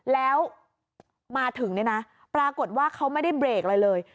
แล้วมาถึงเนี่ยนะปรากฏว่าเขาไม่ได้เบรกอะไรเลย